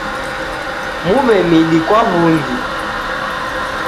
Muwe midi kwa w'ungi.